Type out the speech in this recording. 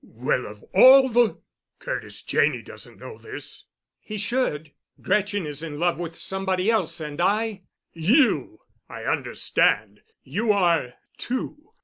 "Well, of all the——! Curtis Janney doesn't know this." "He should. Gretchen is in love with somebody else, and I——" "You! I understand. You are, too.